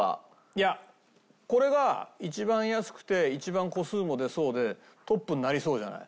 いやこれが一番安くて一番個数も出そうでトップになりそうじゃない？